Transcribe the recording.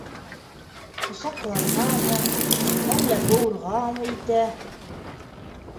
Ҡосаҡларғамы, әллә... быуырғамы итә?